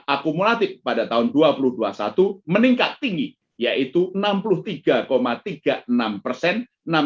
akumulatif pada tahun dua ribu dua puluh satu meningkat tinggi yaitu enam puluh tiga tiga puluh enam persen